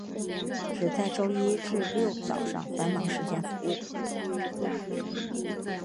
只在周一至六早上繁忙时间服务。